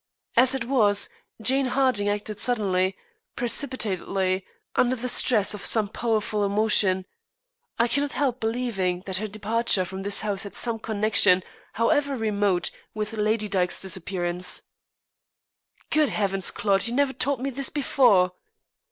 As it was, Jane Harding acted suddenly, precipitately, under the stress of some powerful emotion. I cannot help believing that her departure from this house had some connection, however remote, with Lady Dyke's disappearance." "Good heavens, Claude, you never told me this before."